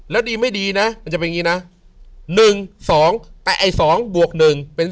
แล้วดีไม่ดีนะมันจะเป็นอย่างนี้นะ๑๒แต่ไอ้๒บวก๑เป็น๒